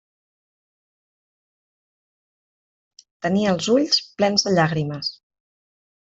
Tenia els ulls plens de llàgrimes.